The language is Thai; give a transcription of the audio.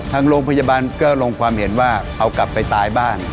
ทางโรงพยาบาลก็ลงความเห็นว่าเอากลับไปตายบ้าน